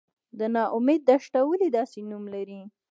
د نا امید دښته ولې داسې نوم لري؟